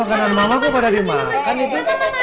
makanan mama kok pada dimakan itu